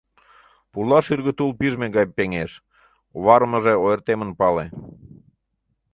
Пурла шӱргӧ тул пижме гай пеҥеш, оварымыже ойыртемын пале.